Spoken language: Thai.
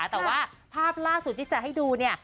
แต่ว่าภาพล่าสุดที่จะให้ดูเนี่ย